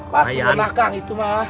pasti kena kang itu mah